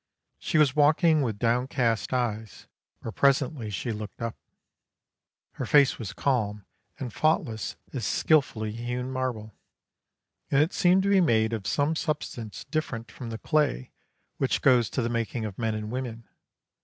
She was walking with downcast eyes, but presently she looked up. Her face was calm, and faultless as skilfully hewn marble, and it seemed to be made of some substance different from the clay which goes to the making of men and women.